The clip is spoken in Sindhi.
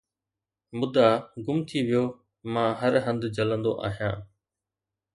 مدعا گم ٿي ويو 'مان هر هنڌ جلندو آهيان